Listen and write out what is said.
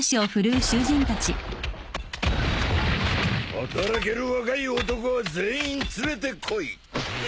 働ける若い男は全員連れてこい！